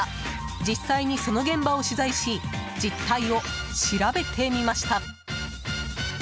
実際に、その現場を取材し実態を調べてみました。